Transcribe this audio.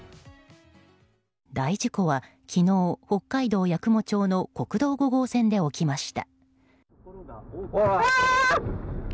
大事故は昨日、北海道八雲町の国道５号線で起きました。